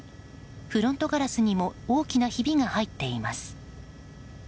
フロントガラスにも大きなひびが入っています。